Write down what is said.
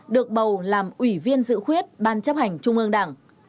được bầu làm ủy viên dự khuyết ban chấp hành trung ương đảng